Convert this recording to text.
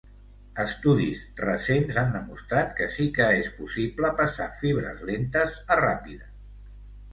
Estudis recents han demostrat que sí que és possible passar fibres lentes a ràpides.